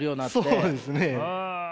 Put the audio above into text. そうですね。